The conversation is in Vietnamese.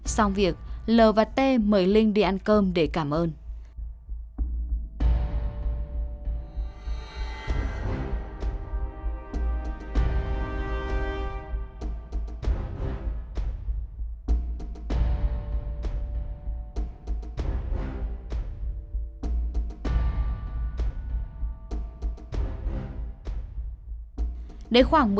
xong việc l và t mời linh đi ăn cơm để cảm ơn